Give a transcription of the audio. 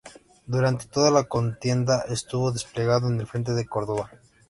Durante toda la contienda estuvo desplegado en el frente de Córdoba.